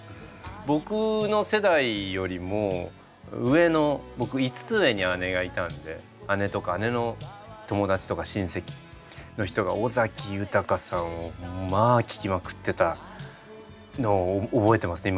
僕の世代よりも上の僕５つ上に姉がいたんで姉とか姉の友達とか親戚の人が尾崎豊さんをまあ聴きまくってたのを覚えてますね